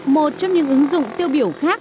một trong những ứng dụng tiêu biểu khác